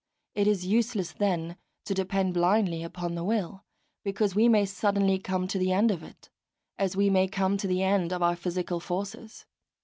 It is useless then to depend blindly upon the will, because we may suddenly come to the end of it, as we may come to the end of our physical forces.